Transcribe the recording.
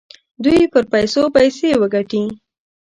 دوی پر پیسو پیسې وګټي.